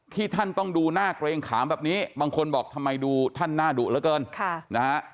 ท่านต้องดูหน้าเกรงขามแบบนี้บางคนบอกทำไมดูท่านหน้าดุเหลือเกินนะฮะ